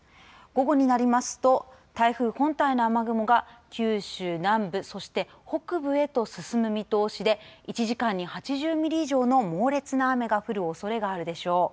午後になりますと台風本体の雨雲が九州南部そして北部へと進む見通しで１時間に８０ミリ以上の猛烈な雨が降るおそれがあるでしょう。